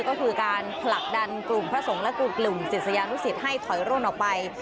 ก็คือการผลักดันกลุ่มพระสงฆ์และกลุ่มศิษยานุสิตให้ถอยร่นออกไป